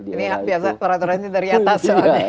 ini biasa peraturannya dari atas